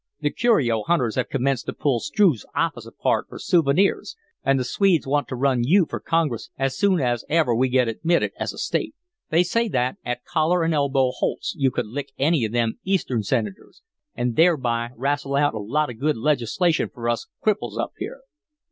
"The curio hunters have commenced to pull Struve's office apart for souvenirs, and the Swedes want to run you for Congress as soon as ever we get admitted as a State. They say that at collar an' elbow holts you could lick any of them Eastern senators and thereby rastle out a lot of good legislation for us cripples up here."